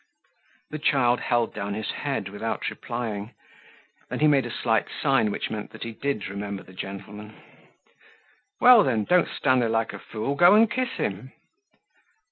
The child held down his head without replying. Then he made a slight sign which meant that he did remember the gentleman. "Well! Then, don't stand there like a fool; go and kiss him."